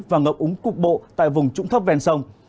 và ngập úng cục bộ tại vùng trũng thấp ven sông